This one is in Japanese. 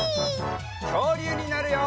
きょうりゅうになるよ！